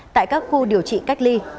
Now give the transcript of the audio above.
tại các khu điều trị cách ly